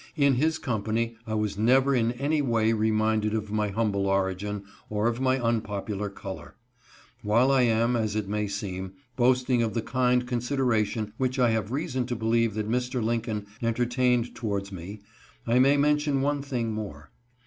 In his company I was never in any way reminded of my humble origin, or of my unpopular color. While I am, as it may seem, boasting of the kind consideration which I have reason to believe that Mr. Lincoln entertained towards me, I may mention one thing more.